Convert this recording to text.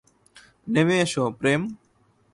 নেমে এসো, প্রেম।